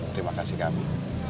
terima kasih kami